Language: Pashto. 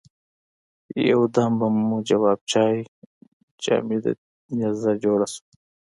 یو دم به مو جواب چای جامده نيزه جوړه شوه.